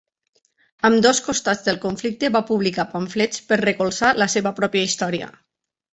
Ambdós costats del conflicte va publicar pamflets per recolzar la seva pròpia història.